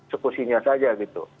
sekusinya saja gitu